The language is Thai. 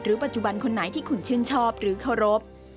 ปัจจุบันคนไหนที่คุณชื่นชอบหรือเคารพ